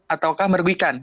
atau kan merguikan